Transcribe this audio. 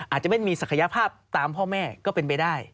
อาจจะไม่มีศักยภาพตามพ่อแม่ก็เป็นไปได้